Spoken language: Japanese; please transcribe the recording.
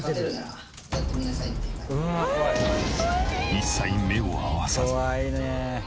一切目を合わさず。